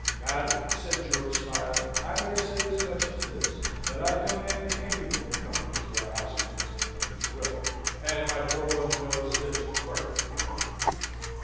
"Madam," said George, smiling, "I may say as much as this, that I don't envy any woman coming into our house against my mother's will: and my poor brother knows this perfectly well."